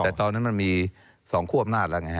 แต่ตอนนั้นมันมี๒คั่วอำนาจแล้วไงฮ